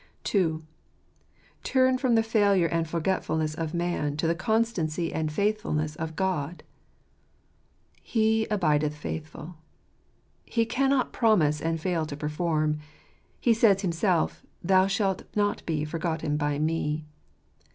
2. Turn from the failure a?id forgetfulness of man to the constancy and faithfulness of God I " He abideth faithful." He cannot promise and fail to perform. He says Himself :" Thou shalt not be forgotten by Me."